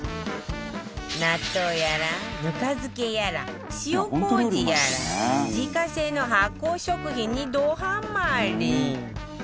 納豆やらぬか漬けやら塩麹やら自家製の発酵食品にどハマり